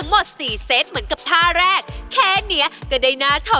อันนี้มืออย่างนี้ใช่มั้ยคะ